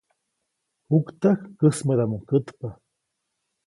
Juktäjk käjsmädaʼmuŋ kätpa.